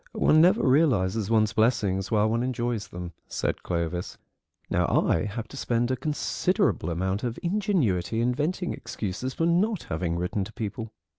"One never realises one's blessings while one enjoys them," said Clovis; "now I have to spend a considerable amount of ingenuity inventing excuses for not having written to people."